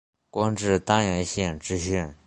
官至丹阳县知县。